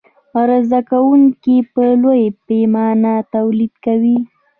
عرضه کوونکى په لویه پیمانه تولید کوي.